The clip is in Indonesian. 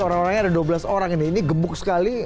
orang orangnya ada dua belas orang ini ini gemuk sekali